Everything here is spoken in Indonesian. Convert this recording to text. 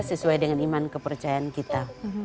sesuai dengan iman kepercayaan kita